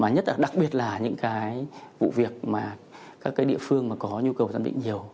nhất là đặc biệt là những vụ việc mà các địa phương có nhu cầu giám định nhiều